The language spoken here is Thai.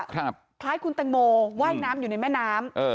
คล้ายคุณแตงโมว่ายน้ำอยู่ในแม่น้ำ